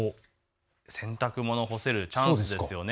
洗濯物、干せるチャンスですよね。